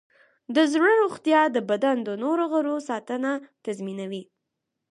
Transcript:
د زړه روغتیا د بدن د نور غړو ساتنه تضمینوي.